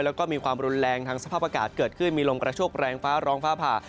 แล้วก็มีความรุนแรงทางสภาพอากาศเกิดขึ้นมีลมกระโชคแรงฟ้าร้องฟ้าผ่า